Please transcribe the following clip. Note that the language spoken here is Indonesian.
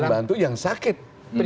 bantu yang sakit